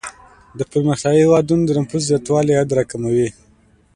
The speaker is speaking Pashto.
د پرمختیايي هیوادونو د نفوسو زیاتوالی عاید را کموي.